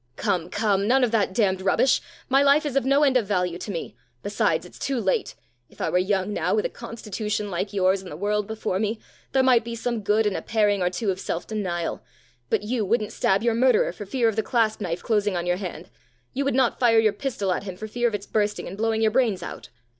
"Come, come! none of that damned rubbish! My life is of no end of value to me! Besides, it's too late. If I were young now, with a constitution like yours, and the world before me, there might be some good in a paring or two of self denial; but you wouldn't stab your murderer for fear of the clasp knife closing on your hand! you would not fire your pistol at him for fear of its bursting and blowing your brains out!"